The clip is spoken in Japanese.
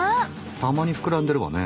たまに膨らんでるわね。